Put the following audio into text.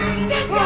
うわ！